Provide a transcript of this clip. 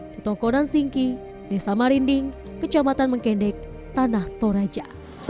di tokonan singki desa marinding kecamatan mengkendek tanah toraja